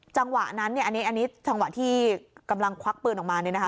จังหวะนั้นเนี่ยอันนี้จังหวะที่กำลังควักปืนออกมาเนี่ยนะคะ